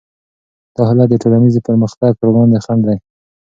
دا حالت د ټولنیز پرمختګ پر وړاندې خنډ دی.